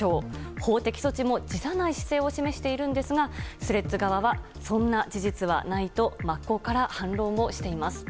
法的措置も辞さない姿勢を示しているんですがスレッズ側はそんな事実はないと真っ向から反論をしています。